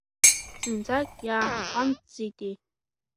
Зынӡак иааҳҟәамҵӡеитеи?!